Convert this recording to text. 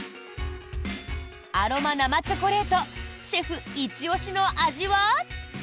アロマ生チョコレートシェフ一押しの味は。